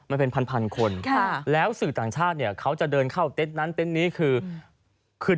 มันเป็นพันคนแล้วสื่อต่างชาติเนี่ยเขาจะเดินเข้าเต็นต์นั้นเต็นต์นี้คือคือ